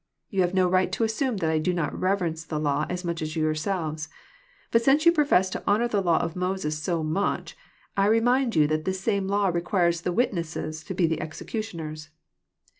Too have no right to assume that I do not reverence the law as moch as yourselves. Bot sim^ yon profess to honour the law of Moses so moch, I remind yon th^ this same law requires the witnesses to be the execntioners.